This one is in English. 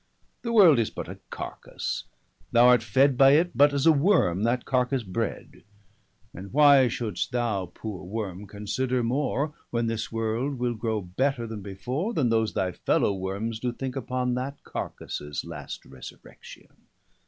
The world is but a carkasse; thou art fed 55 By it, but as a worme, that carkasse bred; And why should'st thou, poore worme, consider more, When this world will grow better then before, Then those thy fellow wormes doe thinke upon That carkasses last resurrection.